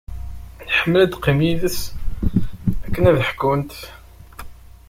Tḥemmel ad teqqim d yid-s akken ad ḥkunt.